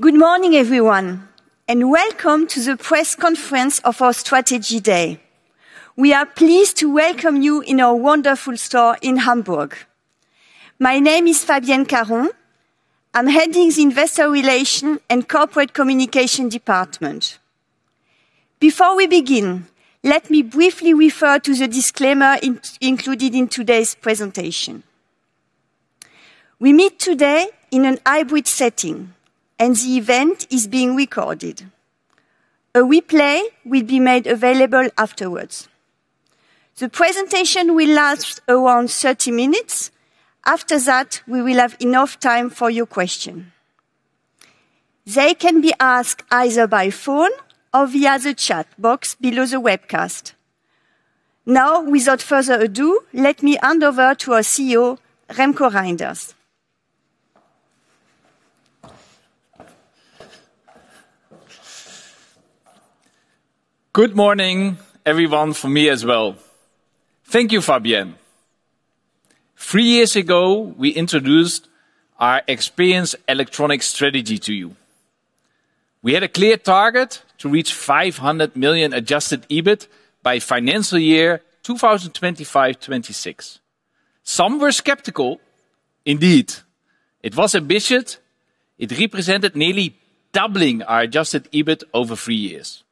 Good morning everyone, and welcome to the press conference of our Strategy Day. We are pleased to welcome you in our wonderful store in Hamburg. My name is Fabienne Caron. I am heading the Investor Relations and Corporate Communications department. Before we begin, let me briefly refer to the disclaimer included in today's presentation. We meet today in an hybrid setting, the event is being recorded. A replay will be made available afterwards. The presentation will last around 30 minutes. After that, we will have enough time for your questions. They can be asked either by phone or via the chat box below the webcast. Now, without further ado, let me hand over to our CEO, Remko Rijnders. Good morning, everyone, from me as well. Thank you, Fabienne. Three years ago, we introduced our Experience Electronics strategy to you. We had a clear target to reach 500 million adjusted EBIT by fiscal year 2025-2026. Some were skeptical. Indeed, it was ambitious. It represented nearly doubling our adjusted EBIT over three years.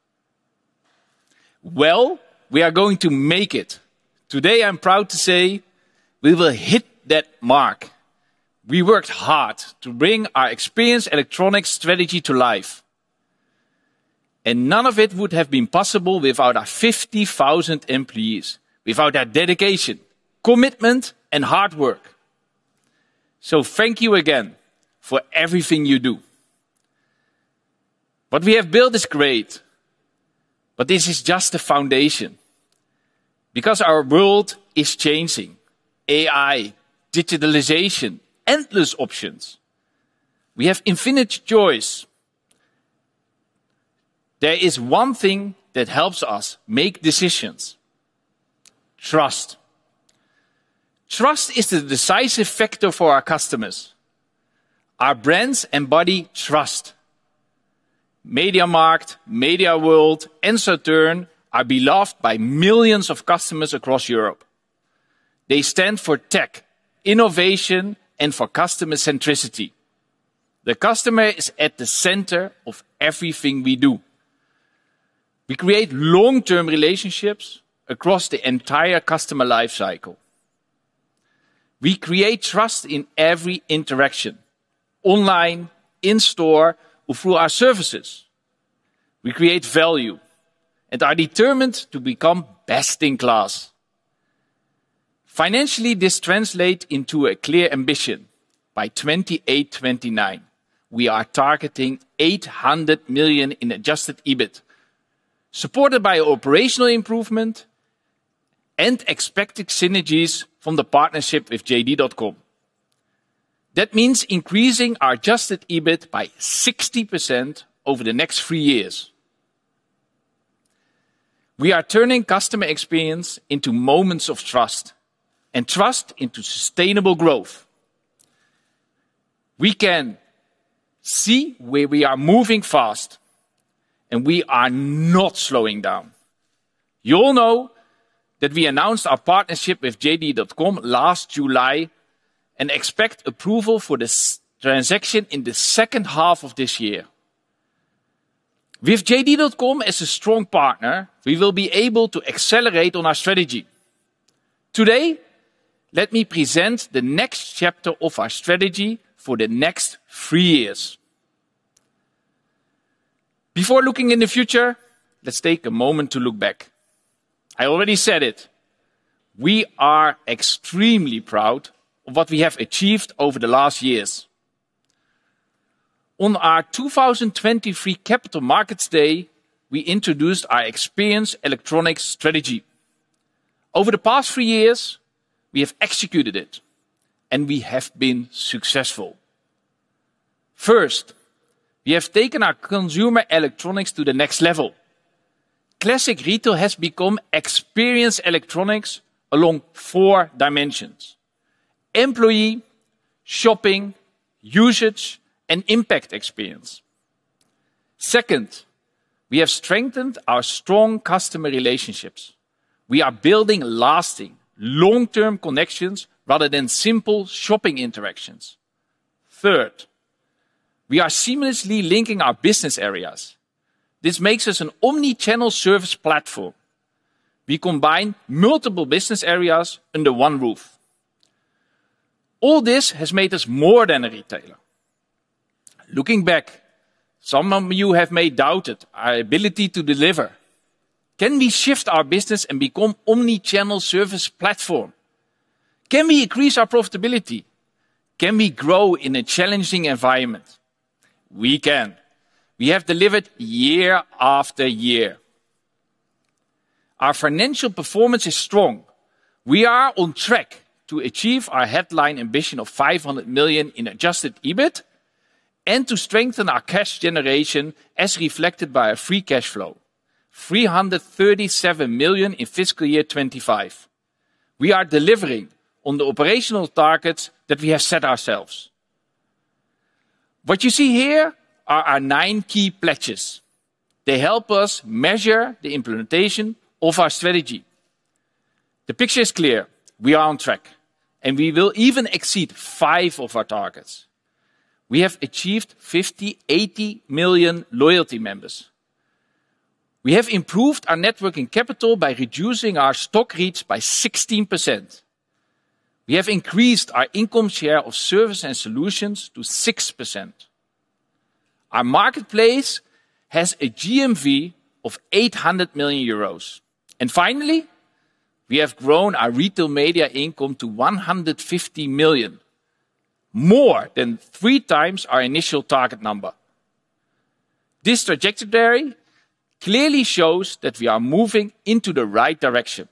Well, we are going to make it. Today, I am proud to say we will hit that mark. We worked hard to bring our Experience Electronics strategy to life, and none of it would have been possible without our 50,000 employees, without their dedication, commitment, and hard work. Thank you again for everything you do. What we have built is great, but this is just the foundation. Because our world is changing, AI, digitalization, endless options. We have infinite choice. There is one thing that helps us make decisions: trust. Trust is the decisive factor for our customers. Our brands embody trust. MediaMarkt, MediaWorld, and Saturn are beloved by millions of customers across Europe. They stand for tech, innovation, and for customer centricity. The customer is at the center of everything we do. We create long-term relationships across the entire customer life cycle. We create trust in every interaction, online, in-store, or through our services. We create value and are determined to become best in class. Financially, this translates into a clear ambition. By 2028-2029, we are targeting 800 million in adjusted EBIT, supported by operational improvement and expected synergies from the partnership with JD.com. That means increasing our adjusted EBIT by 60% over the next three years. We are turning customer experience into moments of trust and trust into sustainable growth. We can see where we are moving fast, and we are not slowing down. You all know that we announced our partnership with JD.com last July, and expect approval for this transaction in the second half of this year. With JD.com as a strong partner, we will be able to accelerate on our strategy. Today, let me present the next chapter of our strategy for the next three years. Before looking in the future, let's take a moment to look back. I already said it. We are extremely proud of what we have achieved over the last years. On our 2023 Capital Markets Day, we introduced our Experience Electronics strategy. Over the past three years, we have executed it, and we have been successful. First, we have taken our consumer electronics to the next level. Classic retail has become Experience Electronics along four dimensions: Employee, Shopping, Usage, and Impact Experience. Second, we have strengthened our strong customer relationships. We are building lasting long-term connections rather than simple shopping interactions. Third, we are seamlessly linking our business areas. This makes us an omnichannel service platform. We combine multiple business areas under one roof. All this has made us more than a retailer. Looking back, some of you have may doubted our ability to deliver. Can we shift our business and become omnichannel service platform? Can we increase our profitability? Can we grow in a challenging environment? We can. We have delivered year after year. Our financial performance is strong. We are on track to achieve our headline ambition of 500 million in adjusted EBIT and to strengthen our cash generation as reflected by a free cash flow, 337 million in fiscal year 2024-2025. We are delivering on the operational targets that we have set ourselves. What you see here are our nine key pledges. They help us measure the implementation of our strategy. The picture is clear. We are on track, and we will even exceed five of our targets. We have achieved 80 million loyalty members. We have improved our net working capital by reducing our stock reach by 16%. We have increased our income share of service and solutions to 6%. Our marketplace has a GMV of 800 million euros. Finally, we have grown our retail media income to 150 million, more than three times our initial target number. This trajectory clearly shows that we are moving into the right direction.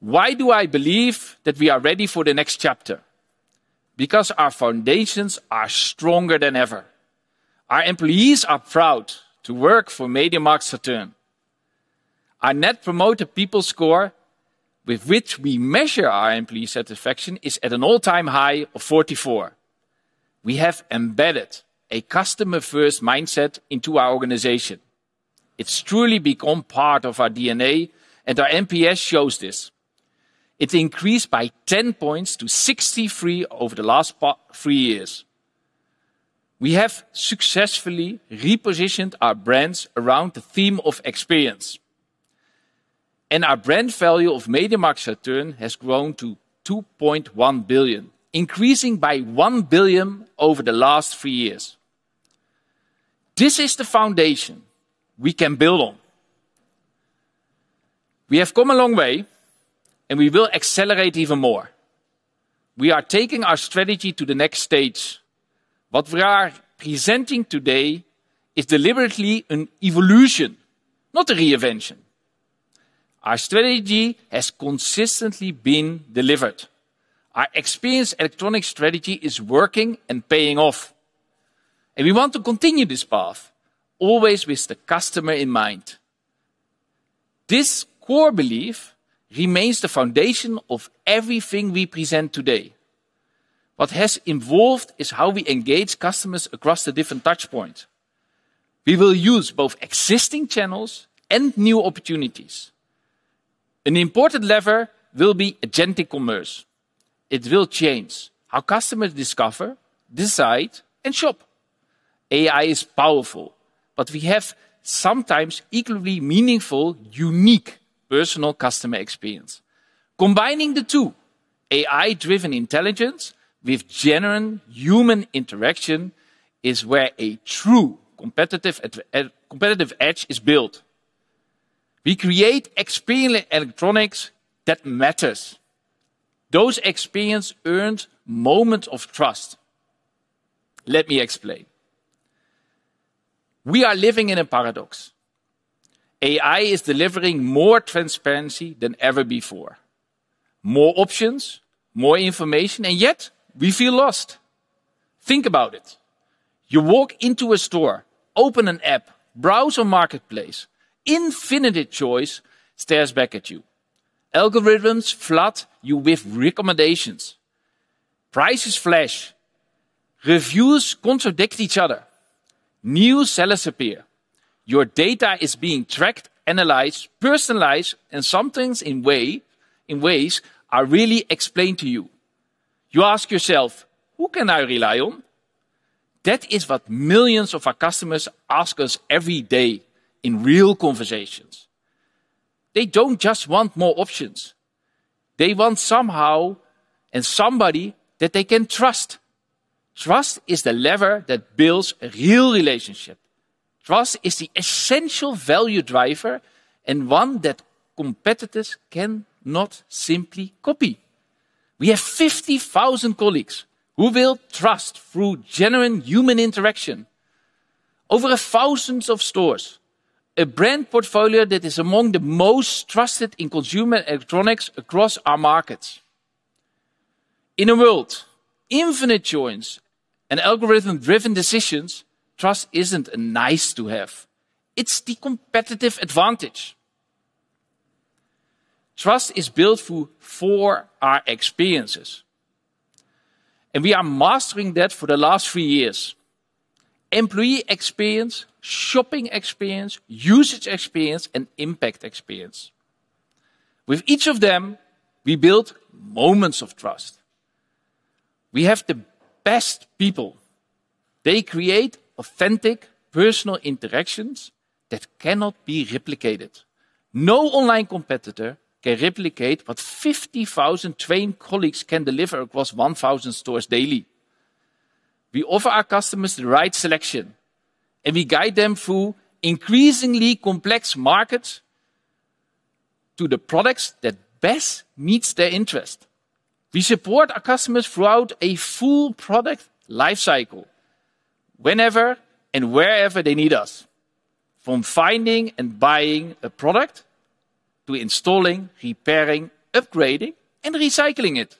Why do I believe that we are ready for the next chapter? Because our foundations are stronger than ever. Our employees are proud to work for MediaMarktSaturn. Our People Net Promoter Score (pNPS), with which we measure our employee satisfaction, is at an all-time high of 44. We have embedded a customer-first mindset into our organization. It's truly become part of our DNA, and our NPS shows this. Our NPS Increased by 10 points to 63 over the last three years. We have successfully repositioned our brands around the theme of experience. Our brand value of MediaMarktSaturn has grown to 2.1 billion, increasing by 1 billion over the last three years. This is the foundation we can build on. We have come a long way. We will accelerate even more. We are taking our strategy to the next stage. What we are presenting today is deliberately an evolution, not a reinvention. Our strategy has consistently been delivered. Our Experience Electronics strategy is working and paying off. We want to continue this path, always with the customer in mind. This core belief remains the foundation of everything we present today. What has evolved is how we engage customers across the different touchpoints. We will use both existing channels and new opportunities. An important lever will be agentic commerce. It will change how customers discover, decide, and shop. AI is powerful. We have sometimes equally meaningful, unique personal customer experience. Combining the two, AI-driven intelligence with genuine human interaction, is where a true competitive edge is built. We create Experience Electronics that matters. Those experience-earned moments of trust. Let me explain. We are living in a paradox. AI is delivering more transparency than ever before, more options, more information. Yet we feel lost. Think about it. You walk into a store, open an app, browse a marketplace. Infinite choice stares back at you. Algorithms flood you with recommendations. Prices flash. Reviews contradict each other. New sellers appear. Your data is being tracked, analyzed, personalized, and sometimes in ways are really explained to you. You ask yourself, "Who can I rely on?" That is what millions of our customers ask us every day in real conversations. They don't just want more options. They want somehow and somebody that they can trust. Trust is the lever that builds a real relationship. Trust is the essential value driver and one that competitors cannot simply copy. We have 50,000 colleagues who build trust through genuine human interaction. Over a thousand stores, a brand portfolio that is among the most trusted in consumer electronics across our markets. In a world of infinite choice and algorithm-driven decisions, trust isn't a nice-to-have. It's the competitive advantage. Trust is built through four experiences, and we are mastering that for the last three years: Employee Experience, Shopping Experience, Usage Experience, and Impact Experience. With each of them, we build moments of trust. We have the best people. They create authentic, personal interactions that cannot be replicated. No online competitor can replicate what 50,000 trained colleagues can deliver across 1,000 stores daily. We offer our customers the right selection, and we guide them through increasingly complex markets to the products that best meet their interest. We support our customers throughout a full product lifecycle, whenever and wherever they need us, from finding and buying a product to installing, repairing, upgrading, and recycling it.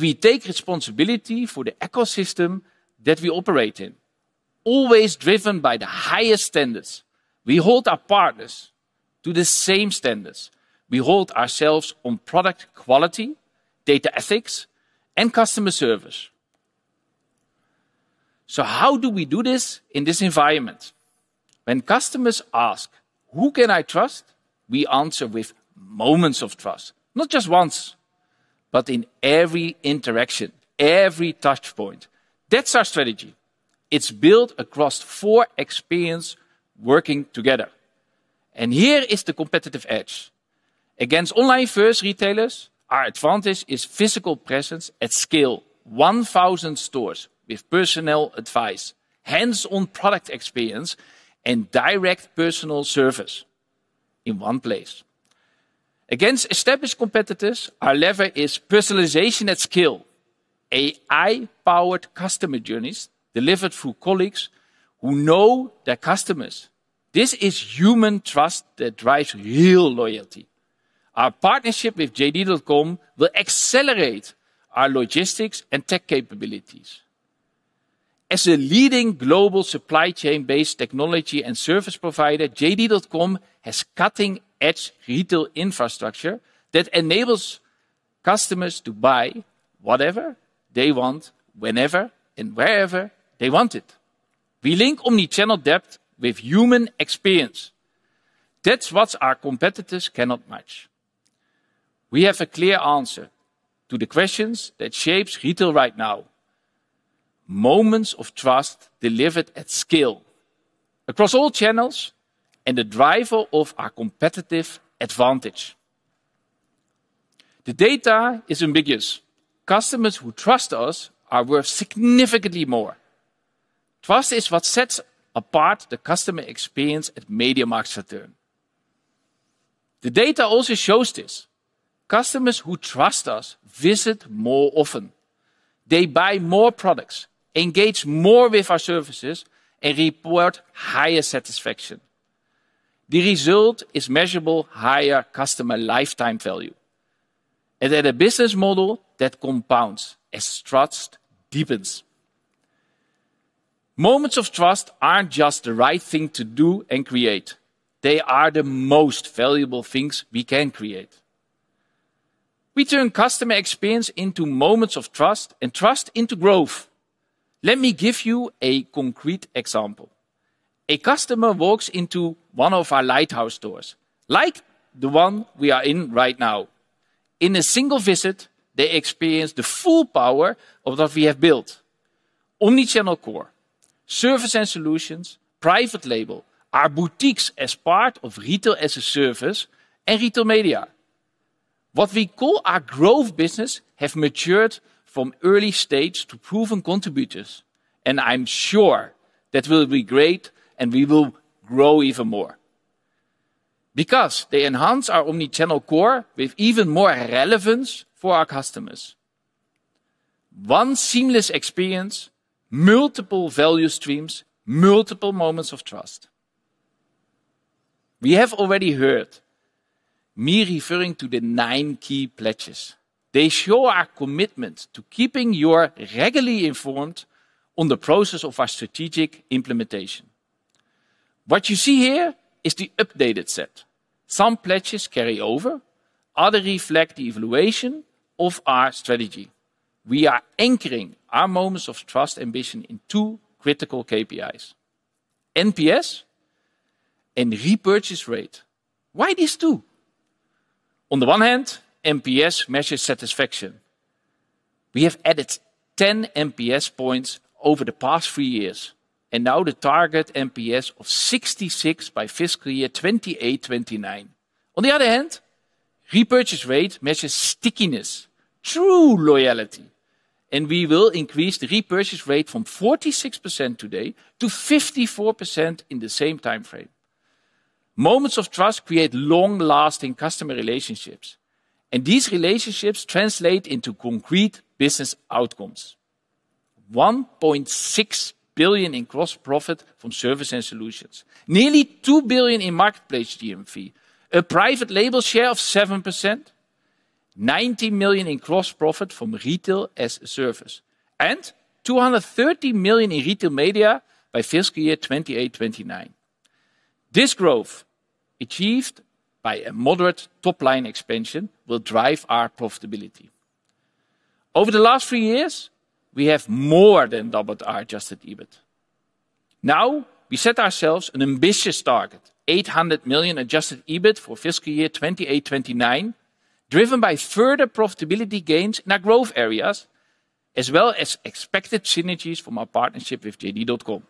We take responsibility for the ecosystem that we operate in, always driven by the highest standards. We hold our partners to the same standards we hold ourselves on product quality, data ethics, and customer service. So how do we do this in this environment? When customers ask, "Who can I trust?" We answer with moments of trust. Not just once, but in every interaction, every touchpoint. That's our strategy. It's built across four experiences working together. Here is the competitive edge. Against online-first retailers, our advantage is physical presence at scale, 1,000 stores with personnel advice, hands-on product experience, and direct personal service in one place. Against established competitors, our lever is personalization at scale, AI-powered customer journeys delivered through colleagues who know their customers. This is human trust that drives real loyalty. Our partnership with JD.com will accelerate our logistics and tech capabilities. As a leading global supply chain-based technology and service provider, JD.com has cutting-edge retail infrastructure that enables customers to buy whatever they want, whenever, and wherever they want it. We link omnichannel depth with human experience. That's what our competitors cannot match. We have a clear answer to the questions that shape retail right now. Moments of trust delivered at scale across all channels and the driver of our competitive advantage. The data is unambiguous. Customers who trust us are worth significantly more. Trust is what sets apart the customer experience at MediaMarktSaturn. The data also shows this. Customers who trust us visit more often. They buy more products, engage more with our services, and report higher satisfaction. The result is measurably higher customer lifetime value, and at a business model that compounds as trust deepens. Moments of trust aren't just the right thing to do and create, they are the most valuable things we can create. We turn customer experience into moments of trust and trust into growth. Let me give you a concrete example. A customer walks into one of our lighthouse stores, like the one we are in right now. In a single visit, they experience the full power of what we have built: omnichannel core, service and solutions, private label, our boutiques as part of Retail-as-a-Service, and retail media. What we call our growth business have matured from early stage to proven contributors. I'm sure that will be great, and we will grow even more. They enhance our omnichannel core with even more relevance for our customers. One seamless experience, multiple value streams, multiple moments of trust. We have already heard me referring to the nine key pledges. They show our commitment to keeping you regularly informed on the progress of our strategic implementation. What you see here is the updated set. Some pledges carry over, others reflect the evaluation of our strategy. We are anchoring our moments of trust ambition in two critical KPIs, NPS and repurchase rate. Why these two? On the one hand, NPS measures satisfaction. We have added 10 NPS points over the past three years, and now the target NPS of 66 by fiscal year 2028-2029. On the other hand, repurchase rate measures stickiness, true loyalty, and we will increase the repurchase rate from 46% today to 54% in the same timeframe. Moments of trust create long-lasting customer relationships, and these relationships translate into concrete business outcomes. 1.6 billion in gross profit from service and solutions, nearly 2 billion in marketplace GMV, a private label share of 7%-8%, 90 million in gross profit from Retail-as-a-Service, and 230 million in retail media by fiscal year 2028-2029. This growth, achieved by a moderate top-line expansion, will drive our profitability. Over the last three years, we have more than doubled our adjusted EBIT. Now, we set ourselves an ambitious target, 800 million adjusted EBIT for fiscal year 2028-2029, driven by further profitability gains in our growth areas, as well as expected synergies from our partnership with JD.com.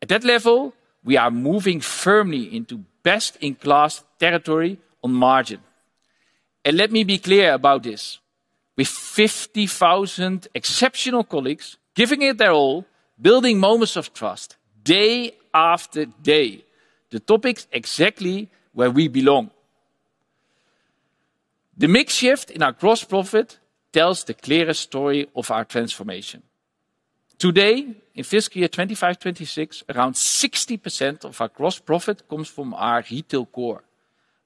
At that level, we are moving firmly into best-in-class territory on margin. Let me be clear about this. With 50,000 exceptional colleagues giving it their all, building moments of trust day after day, the topic's exactly where we belong. The mix shift in our gross profit tells the clearest story of our transformation. Today, in fiscal year 2024-2025, around 60% of our gross profit comes from our retail core.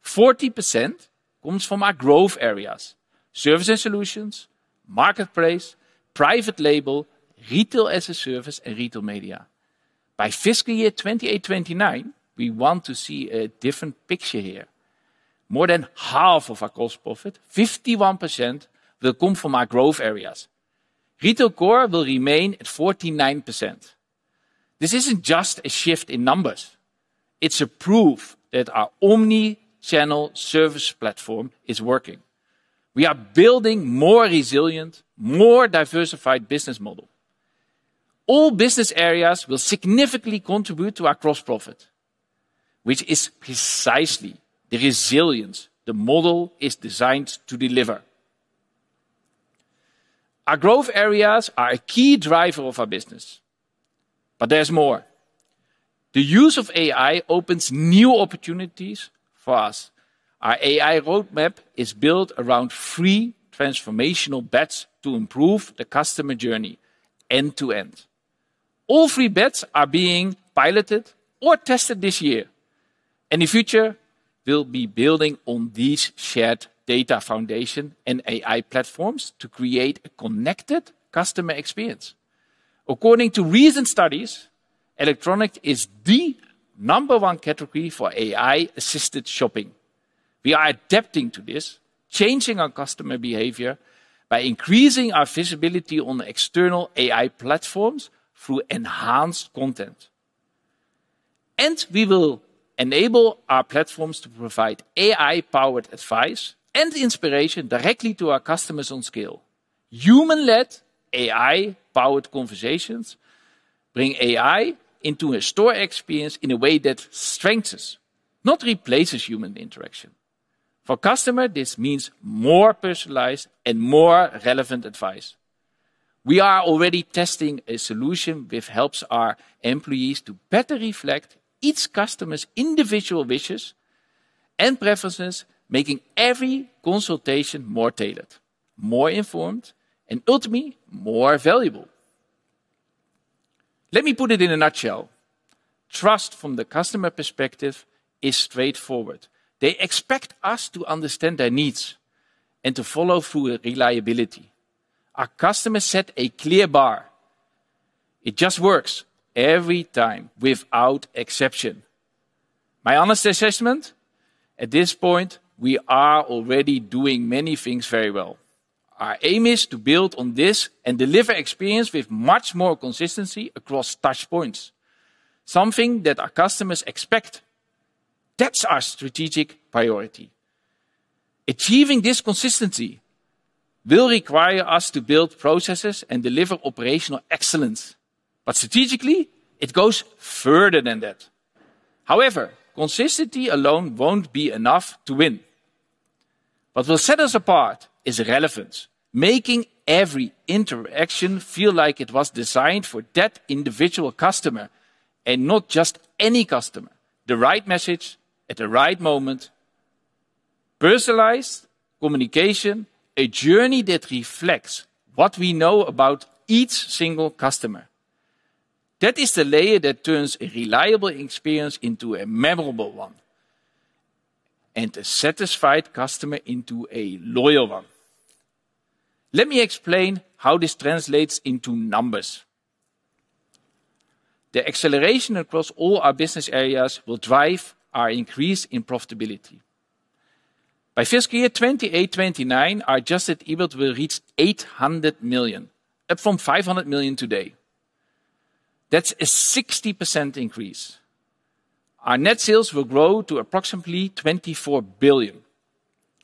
40% comes from our growth areas: service and solutions, marketplace, private label, Retail-as-a-Service, and retail media. By fiscal year 2028-2029, we want to see a different picture here. More than half of our gross profit, 51%, will come from our growth areas. Retail core will remain at 49%. This isn't just a shift in numbers. It's proof that our omnichannel service platform is working. We are building a more resilient, more diversified business model. All business areas will significantly contribute to our gross profit, which is precisely the resilience the model is designed to deliver. Our growth areas are a key driver of our business, but there's more. The use of AI opens new opportunities for us. Our AI roadmap is built around three transformational bets to improve the customer journey end-to-end. All three bets are being piloted or tested this year. In the future, we'll be building on these shared data foundation and AI platforms to create a connected customer experience. According to recent studies, electronic is the number one category for AI-assisted shopping. We are adapting to this changing customer behavior by increasing our visibility on external AI platforms through enhanced content. We will enable our platforms to provide AI-powered advice and inspiration directly to our customers at scale. Human-led, AI-powered conversations bring AI into a store experience in a way that strengthens, not replaces, human interaction. For customers, this means more personalized and more relevant advice. We are already testing a solution which helps our employees to better understand each customer's individual wishes and preferences, making every consultation more tailored, more informed, and ultimately, more valuable. Let me put it in a nutshell. Trust from the customer perspective is straightforward. They expect us to understand their needs and to follow through with reliability. Our customers set a clear bar. It just works every time, without exception. My honest assessment is that at this point, we are already doing many things very well. Our aim is to build on this and deliver the experience with much more consistency across touchpoints, something that our customers expect. That is our strategic priority. Achieving this consistency will require us to build processes and deliver operational excellence, but strategically, it goes further than that. However, consistency alone will not be enough to win. What will set us apart is relevance, making every interaction feel like it was designed for that individual customer and not just any customer. The right message at the right moment, personalized communication, journeys that reflect what we know about each single customer. That is the layer that turns a reliable experience into a memorable one, and a satisfied customer into a loyal one. Let me explain how this translates into numbers. The acceleration across all our business areas will drive our increase in profitability. By fiscal year 2028-2029, our adjusted EBIT will reach 800 million, up from 500 million today. That is a 60% increase. Our net sales will grow to approximately 24 billion,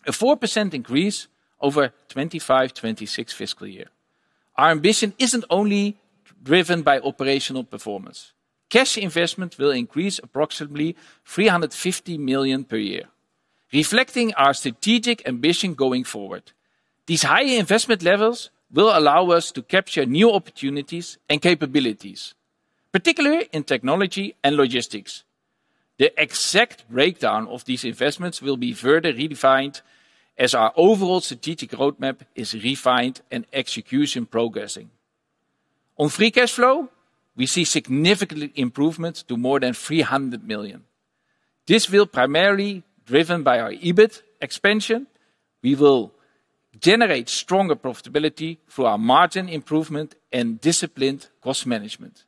a 4% increase over FY 2025-2026. Our ambition is not only driven by operational performance. Cash investment will increase approximately 350 million per year, reflecting our strategic ambition going forward. These high investment levels will allow us to capture new opportunities and capabilities, particularly in technology and logistics. The exact breakdown of these investments will be further redefined as our overall strategic roadmap is refined and execution progresses. For free cash flow, we see significant improvements to more than 300 million. This will be primarily driven by our EBIT expansion. We will generate stronger profitability through our margin improvement and disciplined cost management.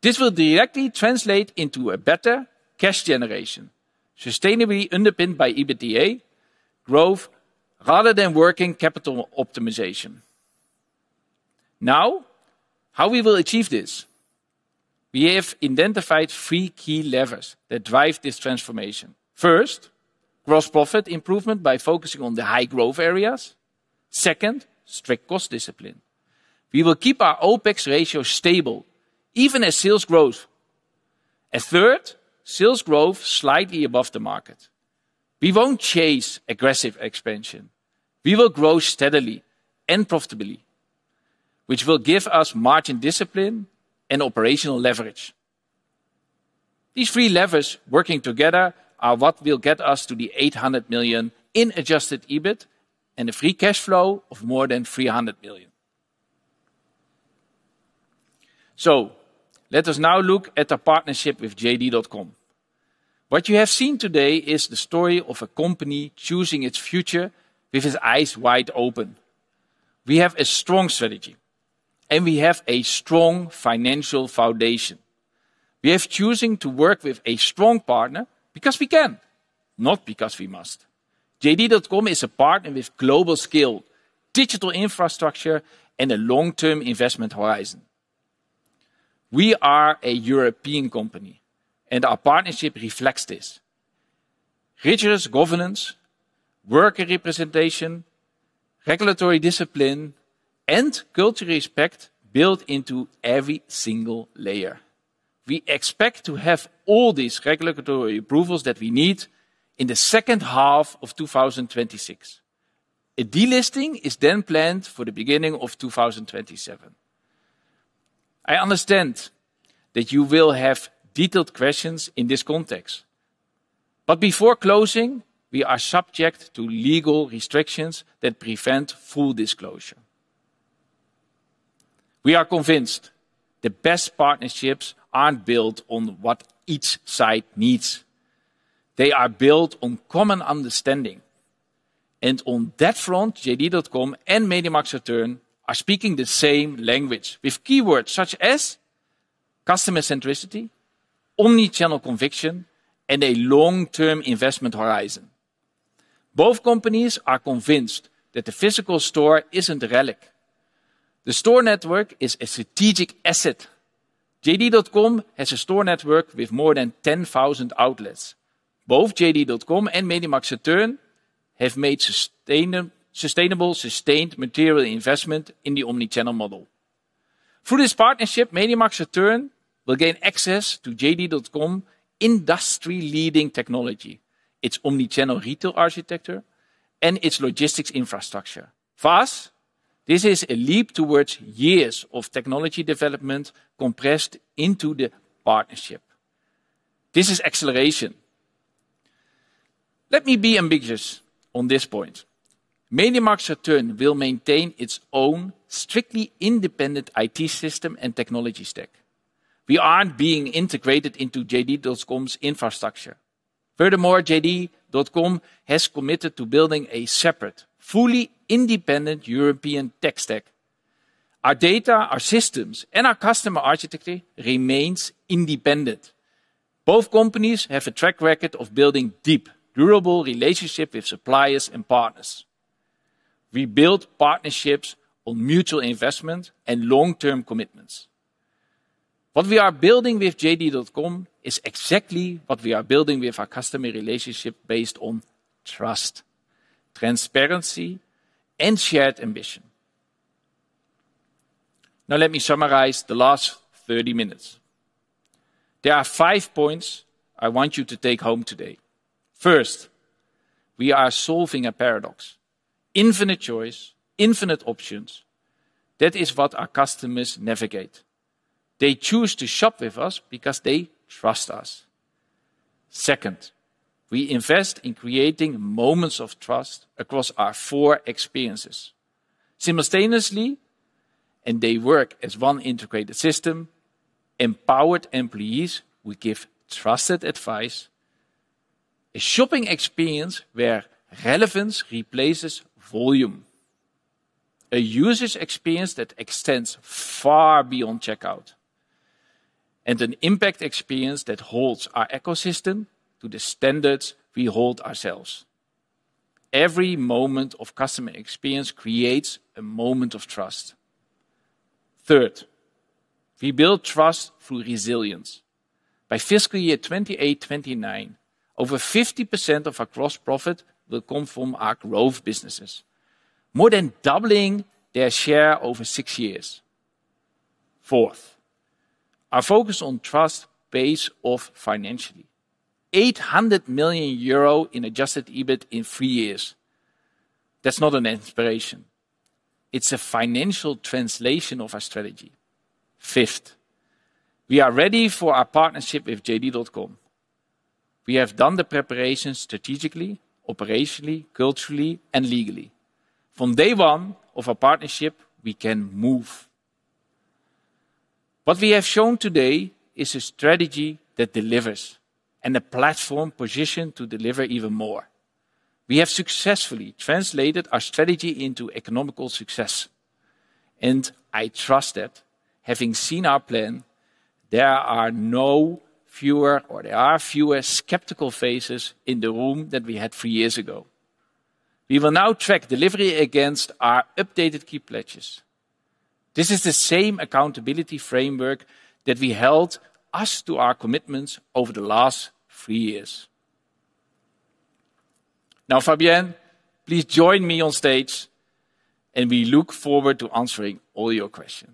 This will directly translate into better cash generation, sustainably underpinned by EBITDA growth rather than working capital optimization. Now, how will we achieve this. We have identified three key levers that drive this transformation. First, gross profit improvement by focusing on the high-growth areas. Second, strict cost discipline. We will keep our OpEx ratio stable, even as sales grow. Third, sales growth slightly above the market. We won't chase aggressive expansion. We will grow steadily and profitably, which will give us margin discipline and operational leverage. These three levers working together are what will get us to the 800 million in adjusted EBIT and a free cash flow of more than 300 million. Let us now look at our partnership with JD.com. What you have seen today is the story of a company choosing its future with its eyes wide open. We have a strong strategy, and we have a strong financial foundation. We are choosing to work with a strong partner because we can, not because we must. JD.com is a partner with global scale, digital infrastructure, and a long-term investment horizon. We are a European company, and our partnership reflects this. There are rigorous governance, worker representation, regulatory discipline, and cultural respect built into every single layer. We expect to have all these regulatory approvals that we need in the second half of 2026. A delisting is then planned for the beginning of 2027. I understand that you will have detailed questions in this context. But before closing, we are subject to legal restrictions that prevent full disclosure. We are convinced the best partnerships aren't built on what each side needs. They are built on common understanding. On that front, JD.com and MediaMarktSaturn are speaking the same language with keywords such as customer centricity, omnichannel conviction, and a long-term investment horizon. Both companies are convinced that the physical store isn't a relic. The store network is a strategic asset. JD.com has a store network with more than 10,000 outlets. Both JD.com and MediaMarktSaturn have made sustainable, sustained material investment in the omnichannel model. Through this partnership, MediaMarktSaturn will gain access to JD.com's industry-leading technology, its omnichannel retail architecture, and its logistics infrastructure. For us, this is a leap towards years of technology development compressed into the partnership. This is acceleration. Let me be ambitious on this point. MediaMarktSaturn will maintain its own strictly independent IT system and technology stack. We aren't being integrated into JD.com's infrastructure. Furthermore, JD.com has committed to building a separate, fully independent European tech stack. Our data, our systems, and our customer architecture remains independent. Both companies have a track record of building deep, durable relationships with suppliers and partners. We build partnerships on mutual investment and long-term commitments. What we are building with JD.com is exactly what we are building with our customer relationships based on trust, transparency, and shared ambition. Let me summarize the last 30 minutes. There are five points I want you to take home today. First, we are solving a paradox. Infinite choice, infinite options. That is what our customers navigate. They choose to shop with us because they trust us. Second, we invest in creating moments of trust across our four experiences. Simultaneously, and they work as one integrated system, empowered employees will give trusted advice, a shopping experience where relevance replaces volume, a usage experience that extends far beyond checkout, and an impact experience that holds our ecosystem to the standards we hold ourselves. Every moment of customer experience creates a moment of trust. Third, we build trust through resilience. By fiscal year 2028-2029, over 50% of our gross profit will come from our growth businesses, more than doubling their share over six years. Fourth, our focus on trust pays off financially. 800 million euro in adjusted EBIT in three years. That's not an aspiration. It's a financial translation of our strategy. Fifth, we are ready for our partnership with JD.com. We have done the preparations strategically, operationally, culturally, and legally. From day one of our partnership, we can move. What we have shown today is a strategy that delivers and a platform positioned to deliver even more. We have successfully translated our strategy into economic success, and I trust that, having seen our plan, there are fewer skeptical faces in the room than we had three years ago. We will now track delivery against our updated key pledges. This is the same accountability framework that held us to our commitments over the last three years. Now, Fabienne, please join me on stage, and we look forward to answering all your questions.